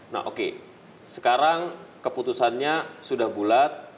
nah oke sekarang keputusannya sudah bulat